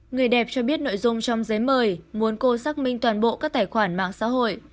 người đẹp cho biết nội dung trong giấy mời muốn cô xác minh toàn bộ các tài khoản mạng xã hội